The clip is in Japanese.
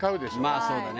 まあそうだね。